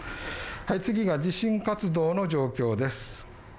次が地震活動の状況です。